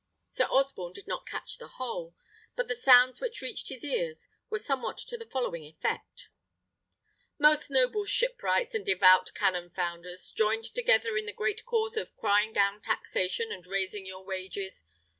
Sir Osborne did not catch the whole, but the sounds which reached his ears were somewhat to the following effect: "Most noble shipwrights and devout cannon founders, joined together in the great cause of crying down taxation and raising your wages!